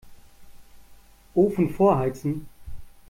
Ofen vorheizen.